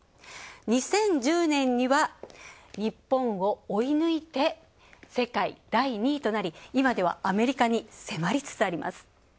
２０１０年には日本を追い抜いて世界第２位となり、今ではアメリカに迫りつつあります。